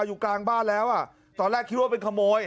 อยู่กลางบ้านแล้วอ่ะตอนแรกคิดว่าเป็นขโมย